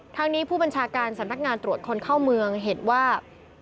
ทางนี้ผู้บัญชาการสำนักงานตรวจคนเข้าเมืองเห็นว่า